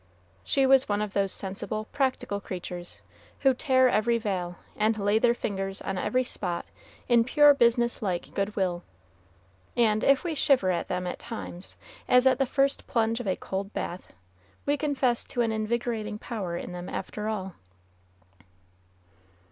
She was one of those sensible, practical creatures who tear every veil, and lay their fingers on every spot in pure business like good will; and if we shiver at them at times, as at the first plunge of a cold bath, we confess to an invigorating power in them after all.